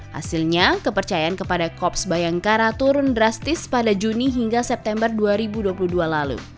hasilnya kepercayaan kepada korps bayangkara turun drastis pada juni hingga september dua ribu dua puluh dua lalu